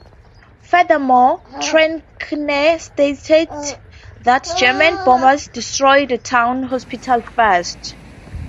Furthermore, Trenkner stated that German bombers destroyed the town's hospital first.